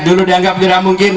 dulu dianggap tidak mungkin